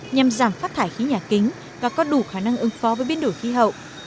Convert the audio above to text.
nhằm giảm phát thải khí nhà kính và có đủ khả năng ứng phó với biến đổi khí hậu